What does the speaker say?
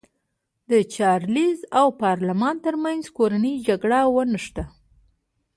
د چارلېز او پارلمان ترمنځ کورنۍ جګړه ونښته.